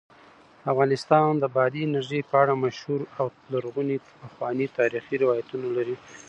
افغانستان د بادي انرژي په اړه مشهور او لرغوني پخواني تاریخی روایتونه لري.